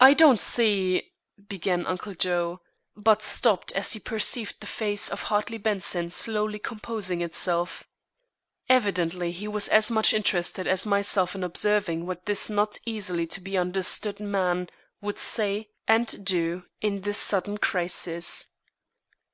"I don't see " began Uncle Joe, but stopped as he perceived the face of Hartley Benson slowly composing itself. Evidently he was as much interested as myself in observing what this not easily to be understood man would say and do in this sudden crisis.